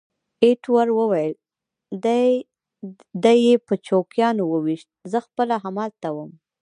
ایټور وویل: دی یې په چوکیانو وویشت، زه خپله همالته وم.